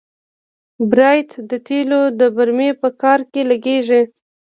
بیرایت د تیلو د برمې په کار کې لګیږي.